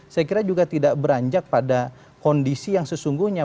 saya kira juga tidak beranjak pada kondisi yang sesungguhnya